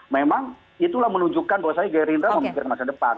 memang itulah menunjukkan bahwasannya gerindra memikir masa depan